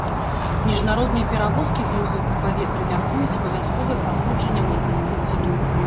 Міжнародныя перавозкі грузаў па паветры мяркуюць абавязковае праходжанне мытных працэдур.